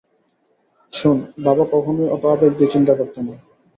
শোন, বাবা কখনোই অত আবেগ দিয়ে চিন্তা করত না।